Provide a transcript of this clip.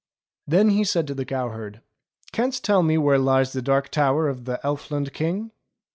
Then he said to the cow herd : "Canst tell me where lies the Dark Tower of the Elfland King.?"